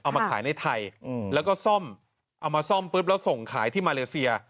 มาขายในไทยแล้วก็ซ่อมเอามาซ่อมปุ๊บแล้วส่งขายที่มาเลเซีย